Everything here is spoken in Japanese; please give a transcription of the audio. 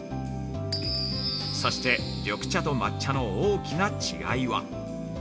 そして緑茶と抹茶の大きな違いは。